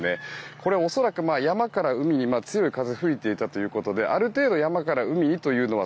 これは恐らく山から海に強い風が吹いていたということである程度、山から海にというのは